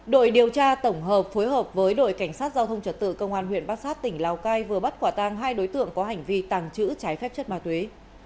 đội điều tra tổng hợp phối hợp với đội cảnh sát giao thông trật tự công an huyện bát sát tỉnh lào cai vừa bắt quả tang hai đối tượng có hành vi tàng trữ trái phép chất ma túy